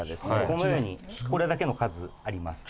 このようにこれだけの数あります。